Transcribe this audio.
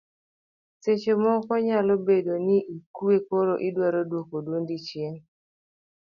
seche moko nyalo bedo ni ikwe koro idwaro duoko duondi chien